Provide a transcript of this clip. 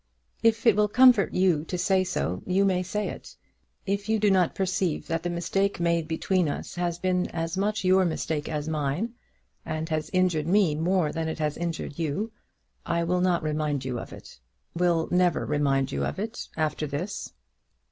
"If it will comfort you to say so, you may say it. If you do not perceive that the mistake made between us has been as much your mistake as mine, and has injured me more than it has injured you, I will not remind you of it, will never remind you of it after this."